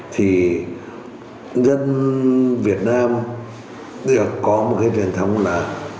thì dân việt nam được có một cái truyền thống là